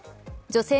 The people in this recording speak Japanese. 女性